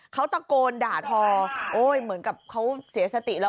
เขาตะโกนด่าทอโอ้ยเหมือนกับเขาเสียสติแล้ว